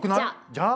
じゃあ？